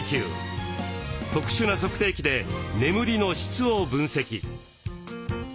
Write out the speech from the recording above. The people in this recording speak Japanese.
特殊な測定器で眠りの質を分析。